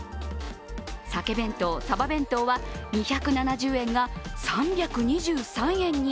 サケ弁当、サバ弁当は２７０円が３２３円に。